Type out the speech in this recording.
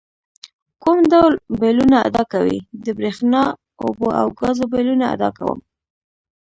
کوم ډول بیلونه ادا کوئ؟ د بریښنا، اوبو او ګازو بیلونه ادا کوم